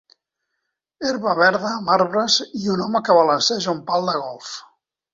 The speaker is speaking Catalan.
herba verda amb arbres i un home que balanceja un pal de golf.